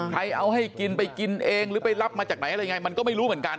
ให้เอาให้กินไปกินเองหรือไปรับมาจากไหนอะไรยังไงมันก็ไม่รู้เหมือนกัน